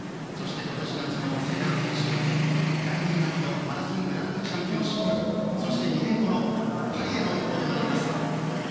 そして今年夏の世界選手権来年秋のマラソングランドチャンピオンシップそして２年後のパリへの一歩となります。